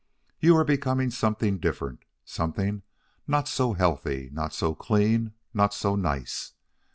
You are becoming something different, something not so healthy, not so clean, not so nice.